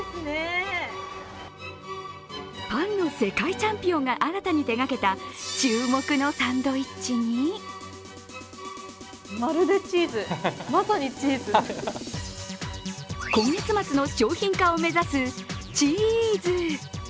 パンの世界チャンピオンが新たに手がけた注目のサンドイッチに今月末の商品化を目指すチーズ。